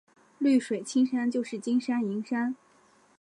绿水青山就是金山银山